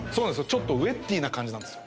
ちょっとウェッティーな感じなんですよ